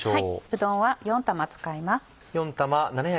うどんは４玉使います。